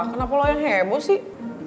kenapa pulau yang heboh sih